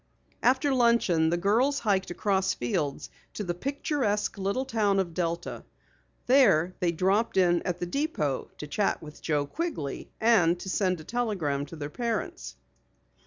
After luncheon the girls hiked across fields to the picturesque little town of Delta. There they dropped in at the depot to chat with Joe Quigley and send a telegram to their parents.